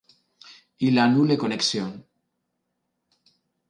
Il ha nulle connexion.